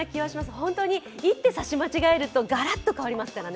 本当に一手指し間違えると、ガラッと変わりますからね。